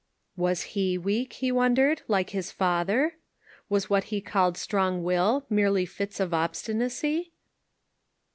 Was he weak, he wondered, like his father? Was what he called strong will merely fits of obstinacy?